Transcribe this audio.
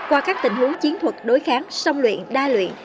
qua các tình huống chiến thuật đối kháng song luyện đa luyện